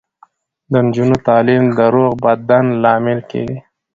د نجونو تعلیم د روغ بدن لامل کیږي.